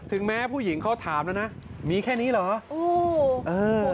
แม้ผู้หญิงเขาถามแล้วนะมีแค่นี้เหรอ